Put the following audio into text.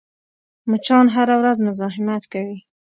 مچان هره ورځ مزاحمت کوي